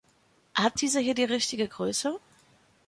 Hat dieser hier die richtige Größe?